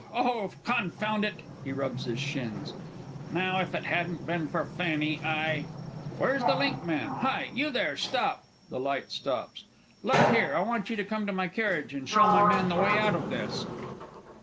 Oh, confound it! (He rubs his shins.) Now, if it hadn't been for Fanny, I Where's that linkman? Hi! you there! stop! (THE LIGHT STOPS.) Look here I want you to come to my carriage, and show my man the way out of this!